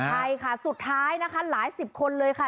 ใช่ค่ะสุดท้ายนะคะหลายสิบคนเลยค่ะ